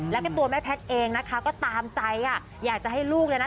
แล้วก็ตัวแม่แพทย์เองนะคะก็ตามใจอ่ะอยากจะให้ลูกเลยนะ